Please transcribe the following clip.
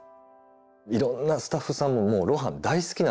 いろんなスタッフさんももう露伴大好きなわけですよ。